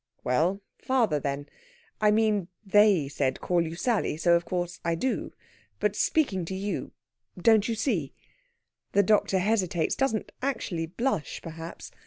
"Well father, then. I mean, they said call you Sally; so of course I do. But speaking to you don't you see?..." The doctor hesitates doesn't actually blush, perhaps.